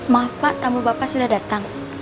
maaf pak tamu bapak sudah datang